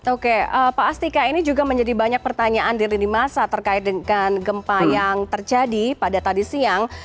oke pak astika ini juga menjadi banyak pertanyaan di lini masa terkait dengan gempa yang terjadi pada tadi siang